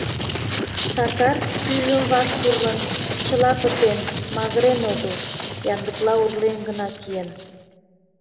Сакар пӱйжым ваш пурлын, чыла пытен, магырен огыл, янлыкла урлен гына киен.